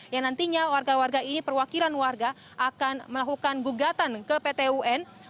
yang nantinya warga warga ini perwakilan warga akan melakukan gugatan ke pt un